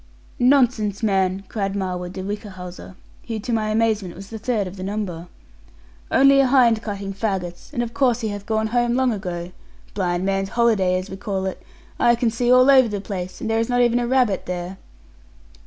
'Nonsense, man!' cried Marwood de Whichehalse, who to my amazement was the third of the number; 'only a hind cutting faggots; and of course he hath gone home long ago. Blind man's holiday, as we call it. I can see all over the place; and there is not even a rabbit there.'